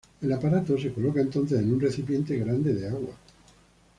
El aparato se coloca entonces en un recipiente grande de agua.